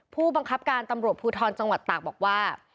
ผู้บังคับการตำรวจภูทรจังหวัดตากบอกว่า